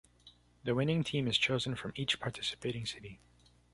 The winning team is chosen from each participating city.